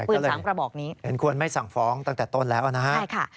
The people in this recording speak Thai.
เห็นควรไม่สั่งฟ้องตั้งแต่ต้นแล้วนะฮะ